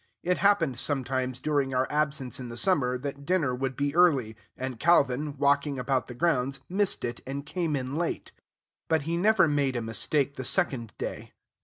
It happened sometimes, during our absence in the summer, that dinner would be early, and Calvin, walking about the grounds, missed it and came in late. But he never made a mistake the second day.